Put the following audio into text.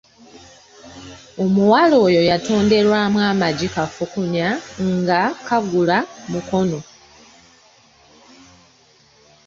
Omuwala oyo yatonderwamu amagi kafukunya ng'akaagula Mukono.